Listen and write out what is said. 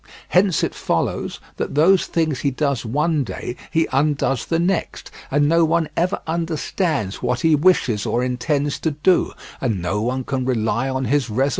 Hence it follows that those things he does one day he undoes the next, and no one ever understands what he wishes or intends to do, and no one can rely on his resolutions.